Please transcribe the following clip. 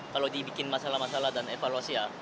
kalau dibikin masalah masalah dan evaluasi ya